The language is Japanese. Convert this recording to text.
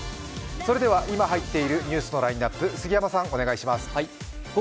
それでは今入っているニュースのラインナップ、杉山さん。